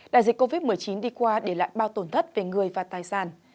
đại dịch covid một mươi chín đi qua để lại bao tổn thất về người và tài sản